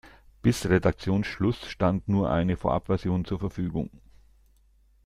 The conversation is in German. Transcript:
Bis Redaktionsschluss stand nur eine Vorabversion zur Verfügung.